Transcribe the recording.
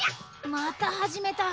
またはじめた。